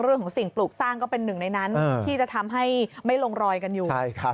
เรื่องของสิ่งปลูกสร้างก็เป็นหนึ่งในนั้นที่จะทำให้ไม่ลงรอยกันอยู่